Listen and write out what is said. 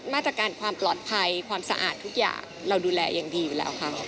มาตรการความปลอดภัยความสะอาดทุกอย่างเราดูแลอย่างดีอยู่แล้วค่ะ